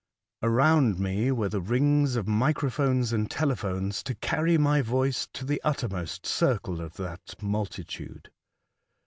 Around me were the rings of microphones and telephones to carry my voice to the uttermost circle of that multitude.